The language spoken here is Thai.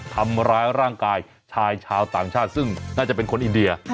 ทำร้ายร่างกายชายชาวต่างชาติซึ่งน่าจะเป็นคนอินเดีย